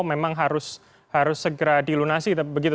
memang harus segera dilunasi begitu